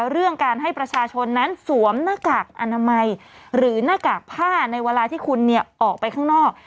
เรื่องการให้ประชาชนนั้นสวมหน้ากากอนามัยหรือหน้ากากผ้าในเวลาที่คุณออกไปข้างนอก